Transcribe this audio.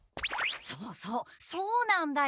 そうそうそうなんだよ！